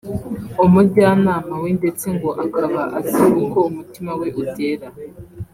umujyanama we ndetse ngo akaba azi uko umutima we utera